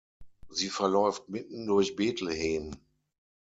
Sie verläuft mitten durch Bethlehem.